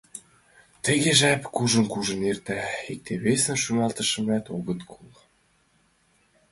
Тыге жап кужун-кужун эрта, икте-весын шӱлалтымыштымат огыт кол.